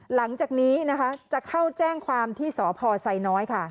หลังจากนี้นะคะจะเข้าแจ้งความที่สพไซน้อยค่ะ